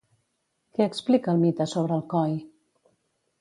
Què explica el mite sobre Alcoi?